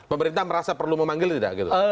pemerintah merasa perlu memanggil tidak gitu